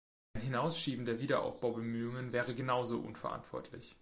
Ein Hinausschieben der Wiederaufbaubemühungen wäre genauso unverantwortlich.